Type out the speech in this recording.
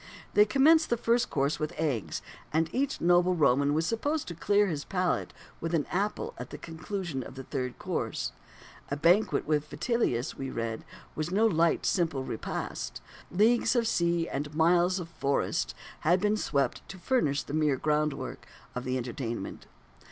They commenced the first course with eggs, and each noble Roman was supposed to clear his palate with an apple at the conclusion of the third course. "A banquet with Vitellius," we read, "was no light and simple repast. Leagues of sea and miles of forest had been swept to furnish the mere groundwork of the entertainment.